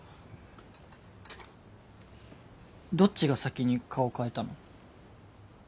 どっちが先に顔変えたの？